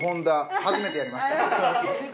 初めてやりました。